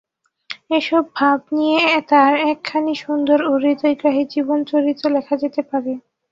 এসব ভাব নিয়ে তাঁর একখানি সুন্দর ও হৃদয়গ্রাহী জীবনচরিত লেখা যেতে পারে।